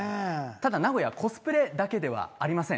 ただ名古屋コスプレだけではありません。